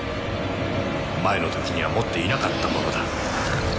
前の時には持っていなかったものだ